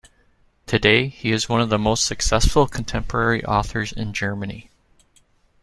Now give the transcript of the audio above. Today he is one of the most successful contemporary authors in Germany.